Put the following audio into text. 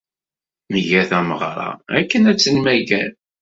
Nga tameɣra akken ad tt-nemmager.